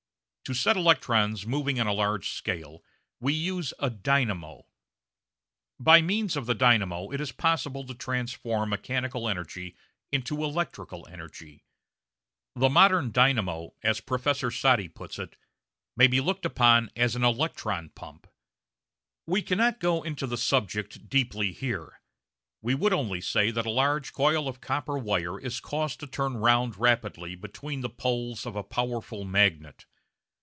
To set electrons moving on a large scale we use a "dynamo." By means of the dynamo it is possible to transform mechanical energy into electrical energy. The modern dynamo, as Professor Soddy puts it, may be looked upon as an electron pump. We cannot go into the subject deeply here, we would only say that a large coil of copper wire is caused to turn round rapidly between the poles of a powerful magnet.